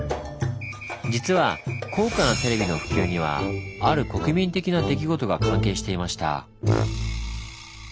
実は高価なテレビの普及にはある国民的な出来事が関係していました。